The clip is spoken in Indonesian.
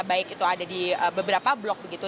baik itu ada di beberapa blok begitu